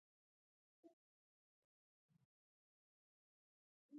دا هویت د جغرافیې د بادونو په اوازونو کې نغښتی.